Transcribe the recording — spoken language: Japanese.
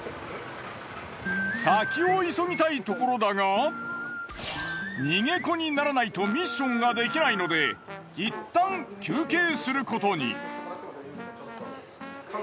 先を急ぎたいところだが逃げ子にならないとミッションができないので一旦休憩することに。